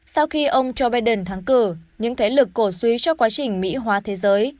sau khi ông joe biden thắng cử những thế lực cổ suý cho quá trình mỹ hóa thế giới